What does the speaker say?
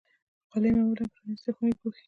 غالۍ معمولا پرانيستې خونې پوښي.